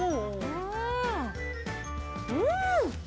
うん！